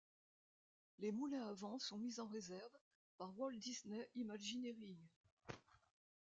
Les moulins à vent sont mis en réserve par Walt Disney Imagineering.